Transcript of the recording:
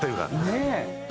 ねえ！